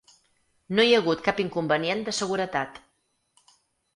No hi ha hagut cap inconvenient de seguretat.